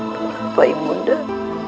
kenapa ibu undah